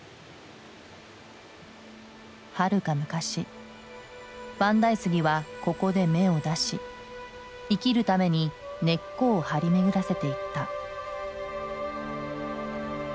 はるか昔万代杉はここで芽を出し生きるために根っこを張り巡らせていった。